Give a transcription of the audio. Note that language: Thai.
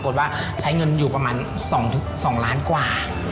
ว่าใช้เงินอยู่ประมาณ๒ล้านกว่า